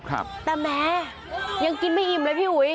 แต่แม้ยังกินไม่อิ่มเลยพี่อุ๋ย